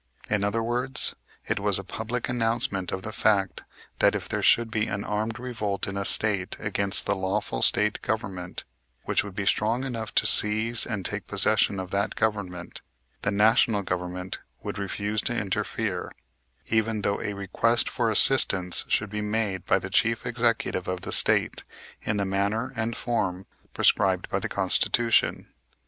In other words, it was a public announcement of the fact that if there should be an armed revolt in a State against the lawful State Government which would be strong enough to seize and take possession of that government, the National Government would refuse to interfere, even though a request for assistance should be made by the Chief Executive of the State in the manner and form prescribed by the Constitution.